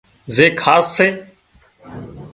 زي خاص سي